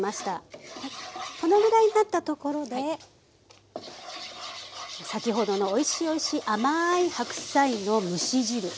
このぐらいになったところで先ほどのおいしいおいしい甘い白菜の蒸し汁。